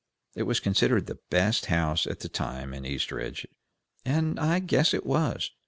It was considered the best house at the time in Eastridge, and I guess it was.